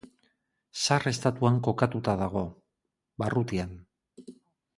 Sarre estatuan kokatuta dago, barrutian.